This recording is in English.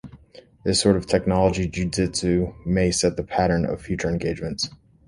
This sort of technological jiu-jitsu may set the pattern of future engagements.